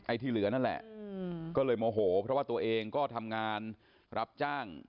ที่เหลือนั่นแหละก็เลยโมโหเพราะว่าตัวเองก็ทำงานรับจ้าง